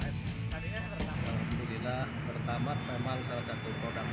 alhamdulillah pertamaks memang salah satu produk yang kita gunakan